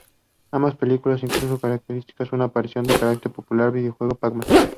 Ambas películas incluso característica una aparición del carácter popular videojuego Pac-Man.